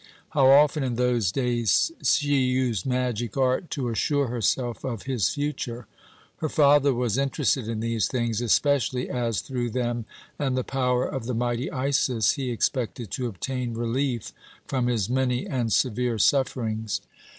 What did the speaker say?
How often in those days she used magic art to assure herself of his future! Her father was interested in these things, especially as, through them, and the power of the mighty Isis, he expected to obtain relief from his many and severe sufferings.